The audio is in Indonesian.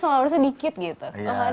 maksudnya dikit gitu